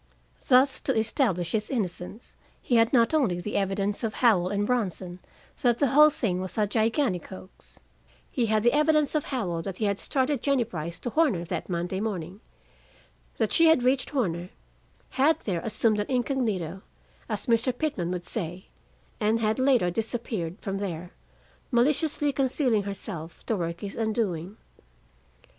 Thus, to establish his innocence, he had not only the evidence of Howell and Bronson that the whole thing was a gigantic hoax; he had the evidence of Howell that he had started Jennie Brice to Horner that Monday morning, that she had reached Horner, had there assumed an incognito, as Mr. Pitman would say, and had later disappeared from there, maliciously concealing herself to work his undoing.